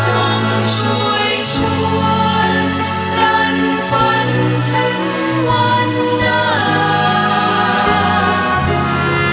จงช่วยชวนกันฝันถึงวันนั้น